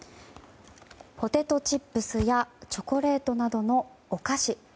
ポテトチップスやチョコレートなどのお菓子。